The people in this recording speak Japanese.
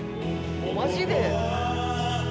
マジで。